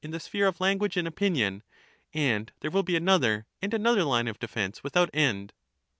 397 the sphere of language and opinion, and there will be another Sophist, and another line of defence without end.